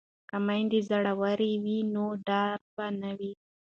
که میندې زړورې وي نو ډار به نه وي.